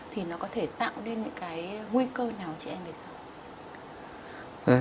thì nó có thể tạo nên những cái nguy cơ nào chị em vậy sao